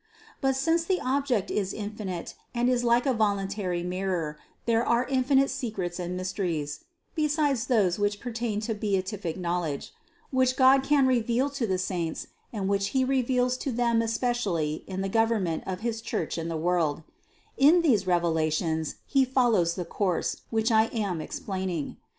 649. But since the Object is infinite and is like a volun tary mirror, there are infinite secrets and mysteries, (be sides those which pertain to beatific knowledge), which God can reveal to the saints and which He reveals to them especially in the government of his Church in the world ; in these revelations He follows the course, which I am explaining.